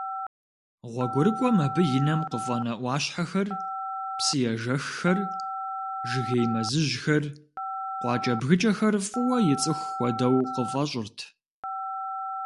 Гъуэгурыкӏуэм абы и нэм къыфӏэнэ ӏуащхьэхэр, псыежэххэр, жыгей мэзыжьхэр, къуакӏэбгыкӏэхэр фӏыуэ ицӏыху хуэдэу къыфӏэщӏырт.